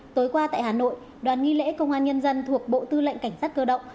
tối qua tại hà nội đoàn nghi lễ công an nhân dân thuộc bộ tư lệnh cảnh sát cơ động